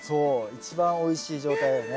一番おいしい状態よね。